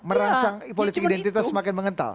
merangsang politik identitas semakin mengental